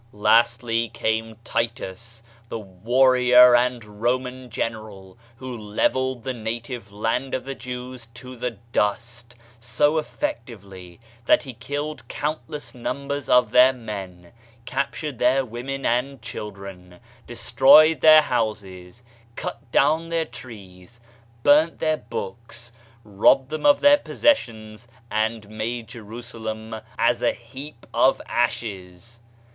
Lastly came Titus, the warrior and Roman general, who levelled the native land of the Jews to the dust, so effectively that he killed countless numbers of their men, captured their women and children, destroyed their houses, cut down their 90 Digitized by Google OF CIVILIZATION trees, burnt their books, robbed them of their pos sions and made Jerusalem as a heap of ashes.